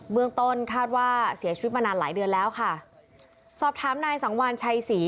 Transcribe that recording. เมืองต้นคาดว่าเสียชีวิตมานานหลายเดือนแล้วค่ะสอบถามนายสังวานชัยศรี